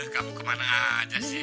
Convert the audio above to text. kamu kemana aja sih